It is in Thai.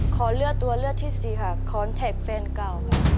ขอเลือกตัวเลือกที่สี่ค่ะคอนแท็กแฟนเก่า